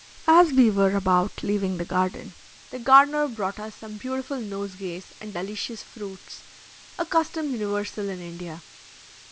As we were about leaving the garden, the gardener brought us some beautiful nosegays and delicious fruits a custom universal in India.